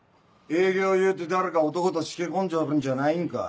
営業言うて誰か男としけ込んじょるんじゃないんか。